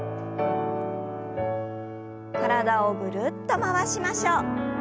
体をぐるっと回しましょう。